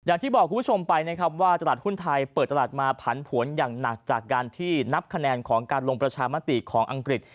อย่างที่บอกคุณผู้ชมไปนะครับว่าตลาดหุ้นไทยเปิดตลาดมาผันผวนอย่างหนักจากการที่นับคะแนนของการลงประชามติของอังกฤษ